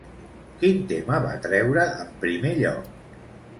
Quin tema va treure en primer lloc?